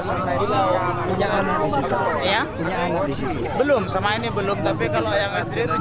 sudah lama nikahnya itu